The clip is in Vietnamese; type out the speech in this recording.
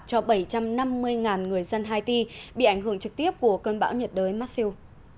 cho bảy trăm năm mươi người dân haiti bị ảnh hưởng trực tiếp của cơn bão nhiệt đới maffell